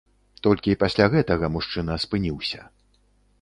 Толькі пасля гэтага мужчына спыніўся.